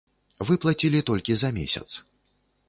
Выплацілі толькі за месяц.